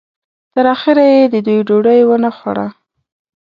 تر اخره یې د دوی ډوډۍ ونه خوړه.